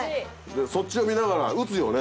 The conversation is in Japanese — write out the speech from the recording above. そっちを見ながら撃つよね